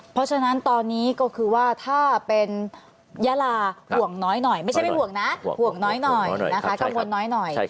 เพราะฉะนั้นตอนนี้ก็คือว่าถ้าเป็นยาราห่วงน้อยไม่ใช่เป็นห่วงนะห่วงน้อยนะคะกังวลน้อย